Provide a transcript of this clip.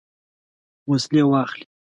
وسلې واخلي.